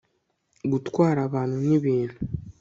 gutwara abantu n ibintu